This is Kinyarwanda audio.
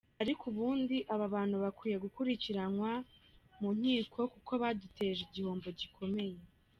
Ariko ubundi aba bantu bakwiye gukurikiranwa mu nkiko kuko baduteje igihombo gikomeye.